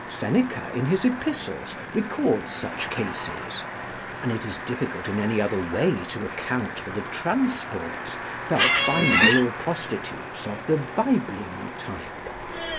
Seneca, in his Epistles, records such cases; and it is difficult in any other way to account for the transports felt by male prostitutes of the Weibling type.